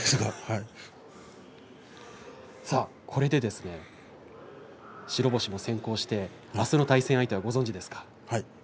これで白星も先行して明日の対戦相手はご存じですか。